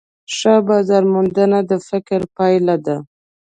ښه بازارموندنه د فکر پایله ده.